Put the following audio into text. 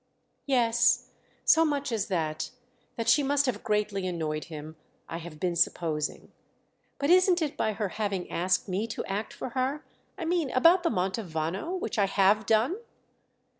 "Yes, so much as that—that she must have greatly annoyed him—I have been supposing. But isn't it by her having asked me to act for her? I mean about the Mantovano—which I have done."